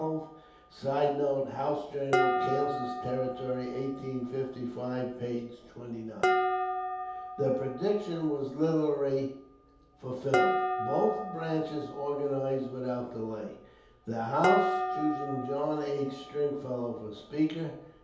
] [Sidenote: "House Journal Kansas Territory," 1855, p. 29.] The prediction was literally fulfilled. Both branches organized without delay, the House choosing John H. Stringfellow for Speaker.